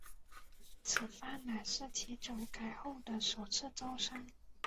此番乃是其整改后的首次招商。